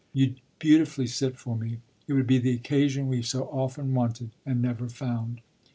You'd beautifully sit for me; it would be the occasion we've so often wanted and never found."